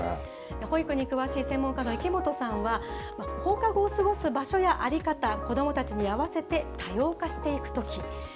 保育に詳しい専門家の池本さんは、放課後を過ごす場所や在り方、子どもたちに合わせて多様化していくとき。